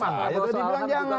itu dibilang jangan